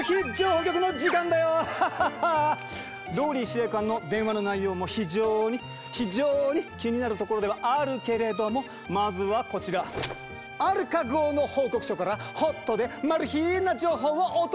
ＲＯＬＬＹ司令官の電話の内容も非常に非常に気になるところではあるけれどもまずはこちら「アルカ号の報告書」からホットでな情報をお届けしよう。